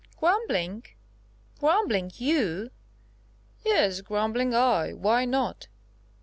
"Grumbling ...? Grumbling, you?" "Yes, grumbling, I! Why not?"